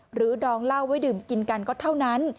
ดองเหล้าไว้ดื่มกินกันก็เท่านั้น